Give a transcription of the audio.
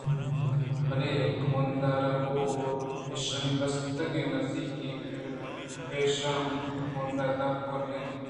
بلے کماندارگوٛر ایشانی بستگیں کانزگ ءُ پِیشاں ہونڈ ءِ دپ ءَ گٹّ اِت